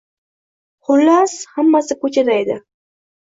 Xullas, hammasi ko‘chada edi.